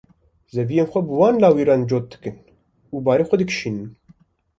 zeviyên xwe bi wan lawiran cot dikin û barên xwe dikişînin.